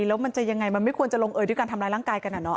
แล้วมันจะยังไงมันไม่ควรจะลงเอยด้วยการทำร้ายร่างกายกันอะเนาะ